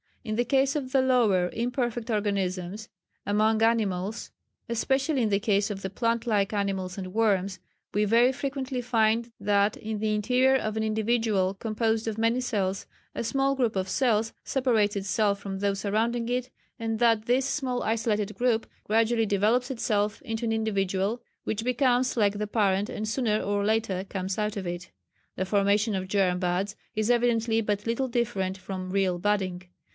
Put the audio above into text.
In the case of the lower, imperfect organisms, among animals, especially in the case of the plant like animals and worms, we very frequently find that in the interior of an individual composed of many cells, a small group of cells separates itself from those surrounding it, and that this small isolated group gradually develops itself into an individual, which becomes like the parent and sooner or later comes out of it.... The formation of germ buds is evidently but little different from real budding.